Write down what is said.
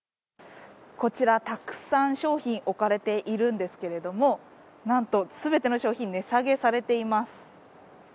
こちら、たくさん商品が置かれているんですがなんと全ての商品、値下げされています。